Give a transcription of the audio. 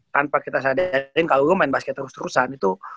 tanpa kita sadari kalau lo main basket terus terusan itu